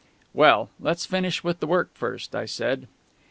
"Well, let's finish with the work first," I said.